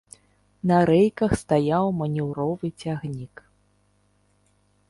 На рэйках стаяў манеўровы цягнік.